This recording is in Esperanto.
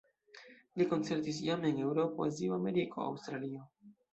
Li koncertis jam en Eŭropo, Azio, Ameriko, Aŭstralio.